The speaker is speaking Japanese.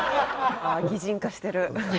ああ擬人化してる。